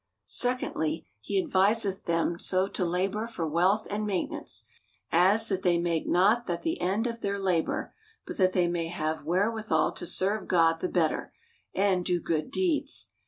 Secondly, he adviseth them so to labor for wealth and maintenance, as that they make not that the end of their labor; but that they may have wherewithal to serve God the better, and do good deeds.